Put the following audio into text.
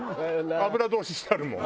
油通ししてあるもん。